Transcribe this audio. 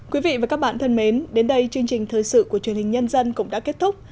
quý vị và các bạn thân mến đến đây chương trình thời sự của truyền hình nhân dân cũng đã kết thúc